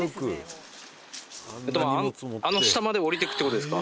あの下まで下りて行くってことですか？